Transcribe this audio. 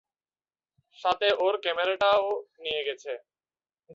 সাথে ওর ক্যামেরাটা নিয়ে গেছে।